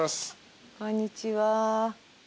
こんにちは。